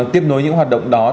tiếp nối những hoạt động đó